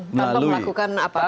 tanpa melakukan apa apa